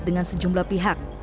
dengan sejumlah pihak